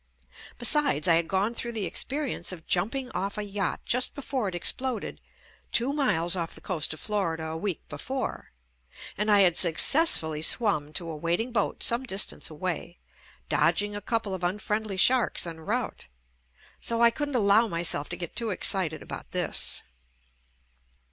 Besides I had gone through the experience of jumping off a yacht just be fore it exploded two miles off the coast of Florida a week before, and I had successfully swum to a waiting boat some distance away, dodging a couple of unfriendly sharks en route, so I couldn't allow myself to get too excited about this.